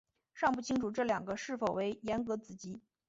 尚不清楚这两个是否为严格子集。